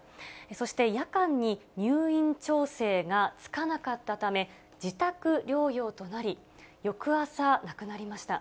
そして、夜間に入院調整がつかなかったため自宅療養となり、翌朝、亡くなりました。